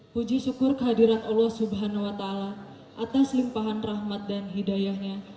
puji syukur kehadiran allah swt atas limpahan rahmat dan hidayahnya